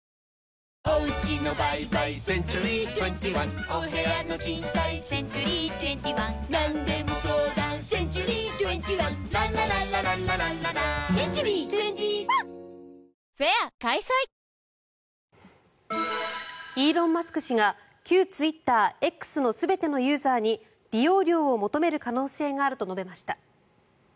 「クラフトボス」イーロン・マスク氏が旧ツイッター、Ｘの全てのユーザーに利用料を求める可能性があると述べました。